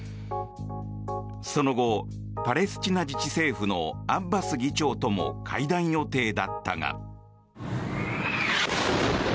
その後、パレスチナ自治政府のアッバス議長とも会談予定だったが。